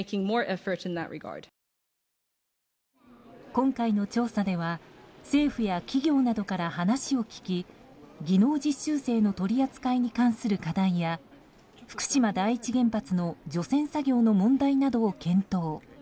今回の調査では政府や企業などから話を聞き技能実習生の取り扱いに関する課題や福島第一原発の除染作業の問題などを検討。